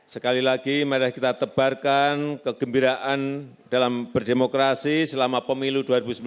sekali lagi mari kita tebarkan kegembiraan dalam berdemokrasi selama pemilu dua ribu sembilan belas